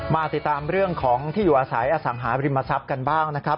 มาติดตามเรื่องของที่อยู่อาศัยอสังหาริมทรัพย์กันบ้างนะครับ